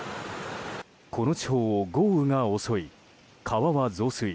この地方を豪雨が襲い川は増水。